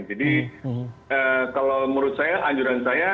jadi kalau menurut saya anjuran saya